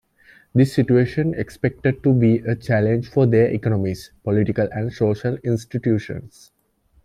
This situation expected to be a challenge for their economies, political and social institutions.